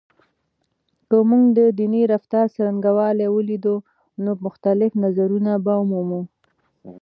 که موږ د دیني رفتار څرنګوالی ولیدو، نو مختلف نظرونه به ومومو.